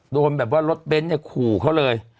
โดนแบบว่ารถเบนท์เนี่ยขู่เขาเลย